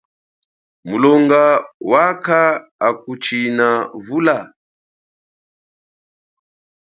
Mulonga wakha akuchina vula?